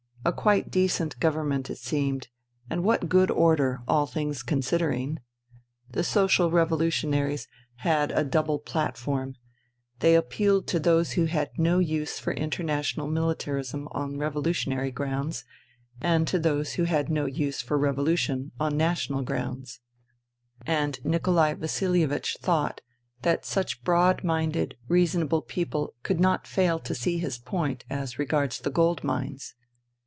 A quite decent Government, it seemed ; and what good order, all things considering. The Social Revolutionaries had a double platform ; they appealed to those who had no use for international militarism on revolutionary grounds, and to those who had no use for revolution on national grounds. And 196 FUTILITY Nikolai Vasilievich thought that such broad minded, reasonable people could not fail to see his point as regards the gold mines.